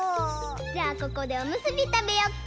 じゃあここでおむすびたべよっか？